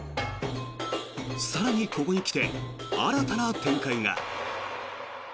更にここに来て新たな展開が。